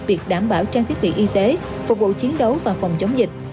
việc đảm bảo trang thiết bị y tế phục vụ chiến đấu và phòng chống dịch